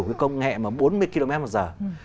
cái công nghệ mà bốn mươi km một giờ